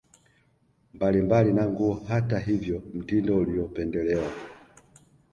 mbalimbali na nguo Hata hivyo mtindo uliopendelewa